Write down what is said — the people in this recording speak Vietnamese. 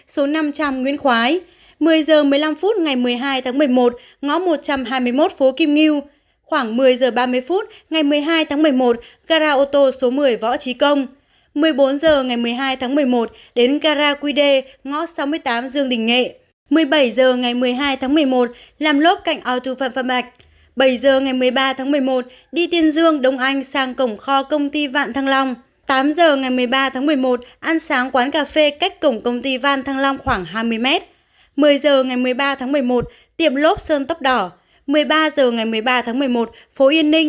cụ thể như sau bảy h ba mươi phút ngày một mươi hai tháng một mươi một gara ô tô số một mươi võ trí công một mươi bốn h ngày một mươi hai tháng một mươi một đến gara quy đê ngõ sáu mươi tám dương đình nghệ một mươi bảy h ngày một mươi hai tháng một mươi một làm lốp cạnh ô thu phan phan bạch bảy h ngày một mươi ba tháng một mươi một đi tiên dương đông anh sang cổng kho công ty vạn thăng long tám h ngày một mươi ba tháng một mươi một ăn sáng quán cà phê cách cổng công ty vạn thăng long khoảng hai mươi m một mươi h ngày một mươi ba tháng một mươi một tiệm lốp sơn tóc đỏ